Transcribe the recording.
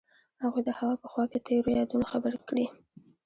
هغوی د هوا په خوا کې تیرو یادونو خبرې کړې.